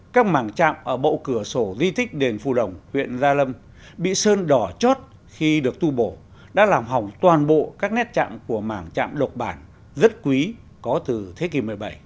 các màng chạm ở bộ cửa sổ di tích đền phù đồng huyện gia lâm bị sơn đỏ chốt khi được tu bổ đã làm hỏng toàn bộ các nét trạm của mảng chạm độc bản rất quý có từ thế kỷ một mươi bảy